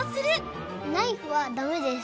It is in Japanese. ナイフはダメです。